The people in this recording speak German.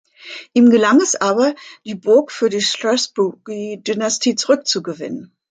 Ihm gelang es aber, die Burg für die Strathbogie-Dynastie zurückzugewinnen.